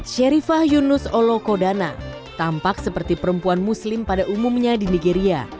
sherifah yunus olokodana tampak seperti perempuan muslim pada umumnya di nigeria